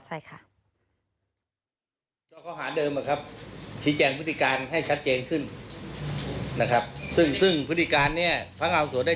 ใช่ค่ะ